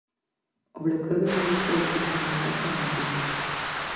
O bloqueo dos medios públicos de comunicación mantívose.